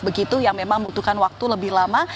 begitu yang memang membutuhkan waktu lebih lama